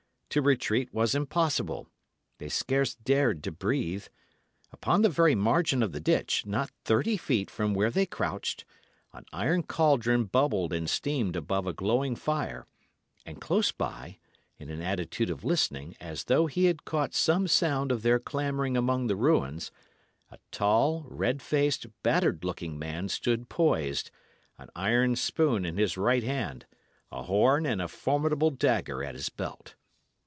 To retreat was impossible; they scarce dared to breathe. Upon the very margin of the ditch, not thirty feet from where they crouched, an iron caldron bubbled and steamed above a glowing fire; and close by, in an attitude of listening, as though he had caught some sound of their clambering among the ruins, a tall, red faced, battered looking man stood poised, an iron spoon in his right hand, a horn and a formidable dagger at his belt.